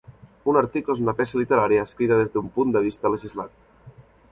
Un article és una peça literària escrita des d'un punt de vista legislat.